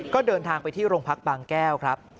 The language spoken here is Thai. ก็เดินทางไปที่โรงพักบางแก้วครับ